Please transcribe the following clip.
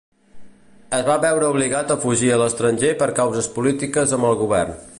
Es va veure obligat a fugir a l'estranger per causes polítiques amb el govern.